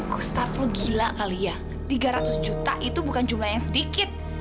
gustaflu gila kali ya tiga ratus juta itu bukan jumlah yang sedikit